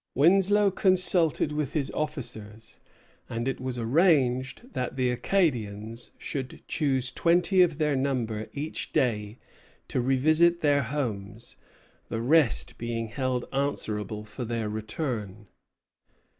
Winslow consulted with his officers, and it was arranged that the Acadians should choose twenty of their number each day to revisit their homes, the rest being held answerable for their return.